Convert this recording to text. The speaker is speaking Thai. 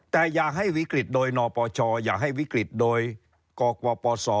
แต่อย่าให้วิกฤตโดยนปชอย่าให้วิกฤตโดยกกปศ